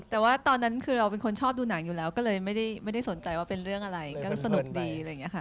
แต่ว่าตอนนั้นคือเราเป็นคนชอบดูหนังอยู่แล้วก็เลยไม่ได้สนใจว่าเป็นเรื่องอะไรก็สนุกดีอะไรอย่างนี้ค่ะ